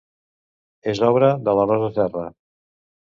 És obra de Rosa Serra.